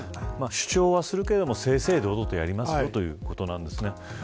主張はするけど正々堂々とやりますよということなんですね。